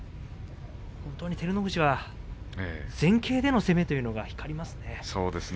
本当に照ノ富士は前傾での攻めというのが光りますね。